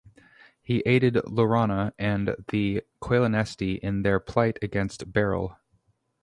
He aided Laurana and the Qualinesti in their plight against Beryl.